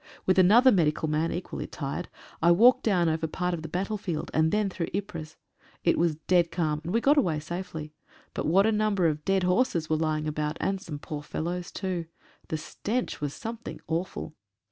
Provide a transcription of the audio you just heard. With another medical man, equally tired, I walked down over part of the battlefield, and then through Ypres. It was dt?ad calm, and we got away safely. But what a number of dead horses were lying about, and some poor fellows too. The stench was something awful.